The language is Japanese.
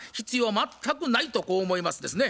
全くないとこう思いますですね。